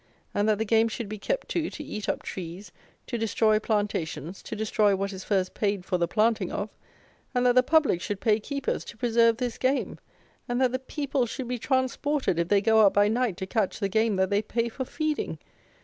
And that the game should be kept, too, to eat up trees, to destroy plantations, to destroy what is first paid for the planting of! And that the public should pay keepers to preserve this game! And that the people should be transported if they go out by night to catch the game that they pay for feeding!